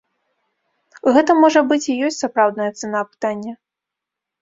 Гэта, можа быць, і ёсць сапраўдная цана пытання.